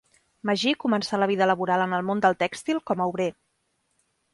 Magí començà la vida laboral en el món del tèxtil com a obrer.